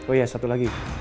oh iya satu lagi